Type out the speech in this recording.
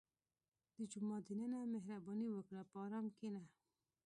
• د جومات دننه مهرباني وکړه، په ارام کښېنه.